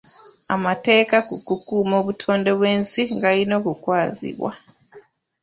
Amateeka ku kukuuma obutonde bw'ensi galina okukwasibwa.